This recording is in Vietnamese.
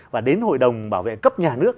và đến hội đồng bảo vệ cấp nhà nước